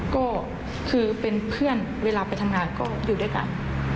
ก็คือเป็นเพื่อนเวลาไปทำงานก็อยู่ด้วยกัน